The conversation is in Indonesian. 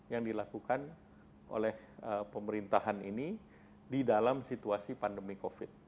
yang dilakukan oleh pemerintahan ini di dalam situasi pandemi covid